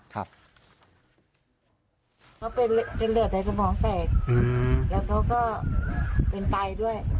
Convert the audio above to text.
เขาเป็นเลือดในสมองแตกแล้วเขาก็เป็นไตด้วย